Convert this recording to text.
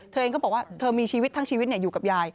เธอเองก็บอกว่าเธอมีชีวิตทั้งชีวิตอยู่กับยาย